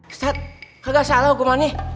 ustadz kagak salah hukumannya